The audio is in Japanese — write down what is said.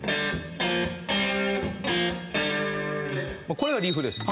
これがリフです。